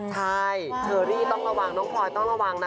ใช่เชอรี่ต้องระวังน้องพลอยต้องระวังนะ